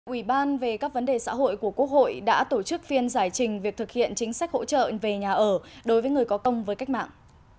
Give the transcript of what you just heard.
ủy ban về các vấn đề xã hội của quốc hội đã tổ chức phiên giải trình việc thực hiện chính sách hỗ trợ về nhà ở đối với người có công với cách mạng